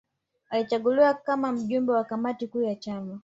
Alichaguliwa kama mjumbe wa kamati kuu ya chama